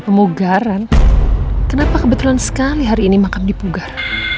pemugaran kenapa kebetulan sekali hari ini makam dipugar